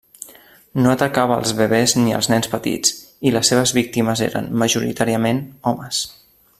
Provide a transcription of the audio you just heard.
No atacava els bebès ni els nens petits, i les seves víctimes eren, majoritàriament, homes.